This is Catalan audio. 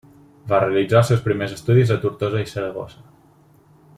Va realitzar els seus primers estudis a Tortosa i Saragossa.